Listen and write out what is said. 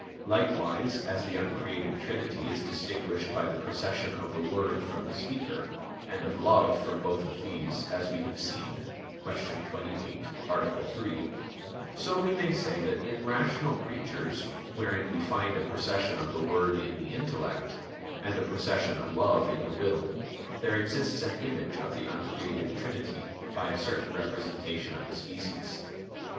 Likewise as the uncreated Trinity is distinguished by the procession of the Word from the Speaker, and of Love from both of these, as we have seen (Q. 28, A. 3); so we may say that in rational creatures wherein we find a procession of the word in the intellect, and a procession of the love in the will, there exists an image of the uncreated Trinity, by a certain representation of the species.